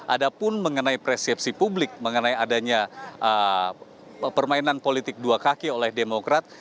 ada pun mengenai persepsi publik mengenai adanya permainan politik dua kaki oleh demokrat